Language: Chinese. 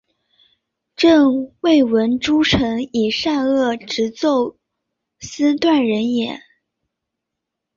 朕未闻诸臣以善恶直奏斯断人也！